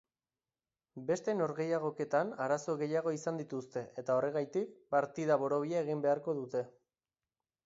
Beste norgehigoketan arazo gehiago izan dituzte eta horregaitik partida borobila egin beharko dute.